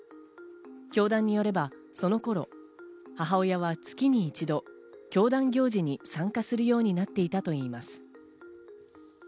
教団によればその頃、母親は月に一度、教団行事に参加するようになっていたといいます。